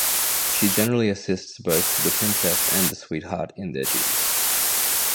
She generally assists both the Princess and the Sweetheart in their duties.